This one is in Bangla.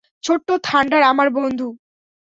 ছোট্ট থান্ডার আমার বন্ধু।